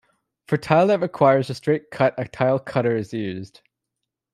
For tile that requires a straight cut a tile cutter is used.